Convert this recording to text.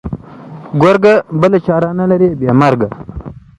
گرگه! بله چاره نه لري بې مرگه.